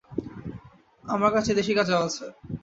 আমার কাছে দেশি গাঁজাও আছে।